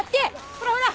ほらほら！